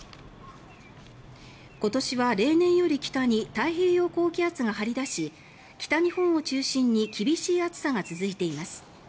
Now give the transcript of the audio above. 今年は例年より北に太平洋高気圧が張り出し北日本を中心に厳しい暑さが続いています。